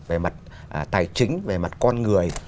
về mặt tài chính về mặt con người